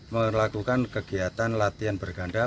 melakukan kegiatan latihan berganda